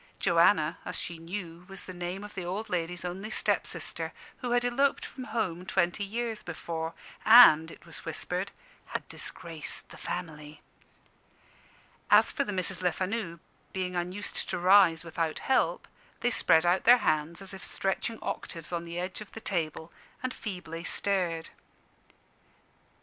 Joanna, as she knew, was the name of the old ladies' only step sister, who had eloped from home twenty years before, and (it was whispered) had disgraced the family. As for the Misses Lefanu, being unused to rise without help, they spread out their hands as if stretching octaves on the edge of the table, and feebly stared.